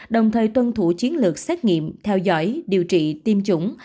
đồng thời tuân thủ chiến lược xét nghiệm theo dõi điều trị tiêm chủng